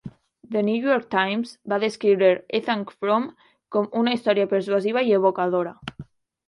"The New York Times" va descriure "Ethan Frome" com "una història persuasiva i evocadora".